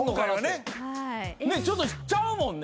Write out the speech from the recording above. ちょっとちゃうもんね。